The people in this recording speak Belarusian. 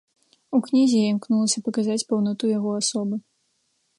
У кнізе я імкнулася паказаць паўнату яго асобы.